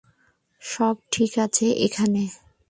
সব ঠিক আছে এখানে?